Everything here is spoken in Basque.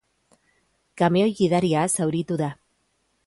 Kamioi gidaria zauritu da.